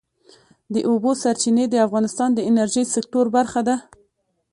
د اوبو سرچینې د افغانستان د انرژۍ سکتور برخه ده.